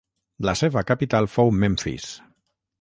La seva capital fou Memfis.